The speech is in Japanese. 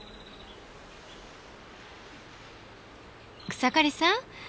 草刈さん。